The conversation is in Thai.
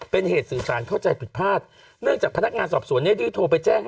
เป็นเหตุสื่อสารเข้าใจผิดพลาดเนื่องจากพนักงานสอบสวนเนี่ยได้โทรไปแจ้ง